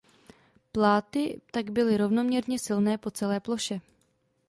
Pláty tak byly rovnoměrně silné po celé ploše.